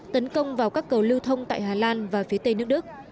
tấn công vào các cầu lưu thông tại hà lan và phía tây nước đức